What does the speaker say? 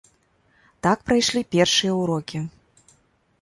Так прайшлі першыя ўрокі.